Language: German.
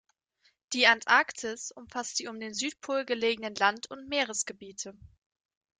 Die Antarktis umfasst die um den Südpol gelegenen Land- und Meeresgebiete.